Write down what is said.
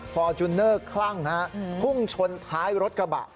ฟอร์จูเนอร์คลั่งพุ่งชนท้ายรถกระบะ